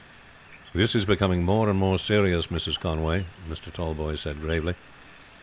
"This is becoming more and more serious, Mrs. Conway," Mr. Tallboys said gravely.